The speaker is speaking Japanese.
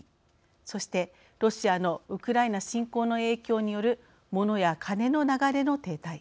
そして、ロシアのウクライナ侵攻の影響によるモノやカネの流れの停滞。